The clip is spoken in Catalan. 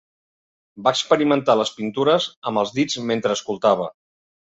Va experimentar les pintures amb els dits mentre escoltava.